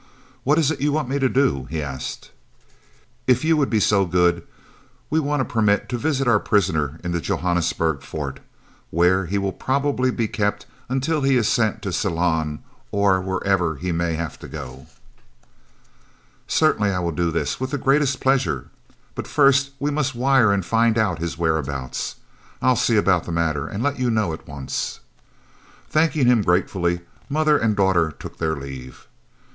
"What is it you want me to do?" he asked. "If you will be so good, we want a permit to visit our prisoner in the Johannesburg Fort, where he will probably be kept until he is sent to Ceylon or where ever he may have to go." "Certainly; I will do this with the greatest pleasure. But first we must wire and find out his whereabouts. I'll see about the matter and let you know at once." Thanking him gratefully, mother and daughter took their leave.